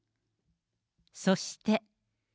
そして。